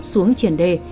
xuống triển đề